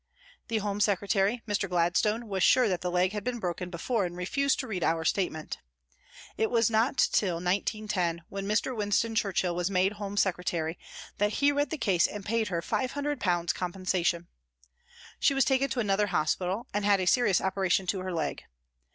The Home Secretary, Mr. Gladstone, was sure that the leg had been broken before and refused to read our statement. It was not till 1910, when Mr. Winston Churchill was made Home Secretary, that he read the case and paid her 500 compensation. She was taken to another hospital and had a serious operation to her leg.